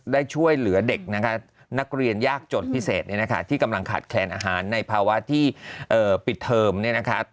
ได้ช่วยเหลือเด็กนะคะนักเรียนยากจดพิเศษเนี่ยนะคะที่กำลังขาดแคลนอาหารในภาวะที่ปิดเทอมเนี่ยนะคะ